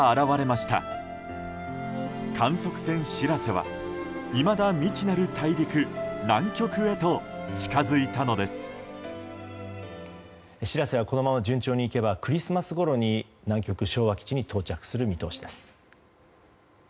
「しらせ」はこのまま順調にいけばクリスマスごろに南極昭和基地に到着する見通しです。